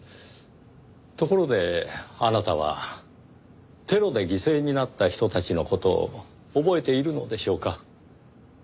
ところであなたはテロで犠牲になった人たちの事を覚えているのでしょうか？